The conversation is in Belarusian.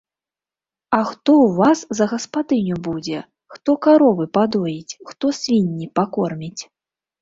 А хто ў вас за гаспадыню будзе, хто каровы падоіць, хто свінні пакорміць?